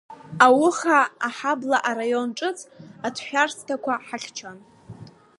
Ауха Аҳабла араион ҿыц аҭшәарсҭақәа ҳахьчон.